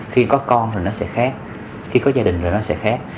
khi có con thì nó sẽ khác khi có gia đình rồi nó sẽ khác